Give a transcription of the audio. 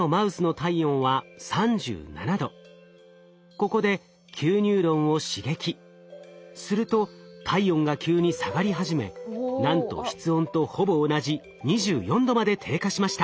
ここですると体温が急に下がり始めなんと室温とほぼ同じ２４℃まで低下しました。